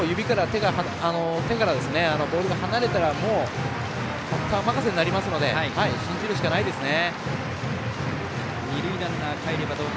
手からボールが離れたら、もうバッター任せになりますので信じるしかないですね。